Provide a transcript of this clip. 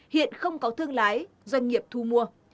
hiện không có thương lái doanh nghiệp thu mua